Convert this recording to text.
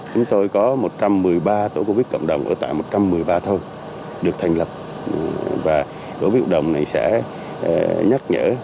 chúng tôi có một trăm một mươi ba tổ covid cộng đồng ở tại một trăm một mươi ba thôn được thành lập và tổ viên hội đồng này sẽ nhắc nhở